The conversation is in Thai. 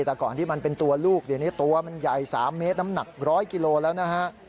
แต่ก่อนที่มันเป็นตัวลูกเดี๋ยวนี้ตัวมันใหญ่๓เมตรน้ำหนัก๑๐๐กิโลแล้วนะฮะ